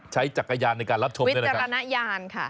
ใช้จักรยานในการรับชมด้วยนะครับวิจารณญาณค่ะ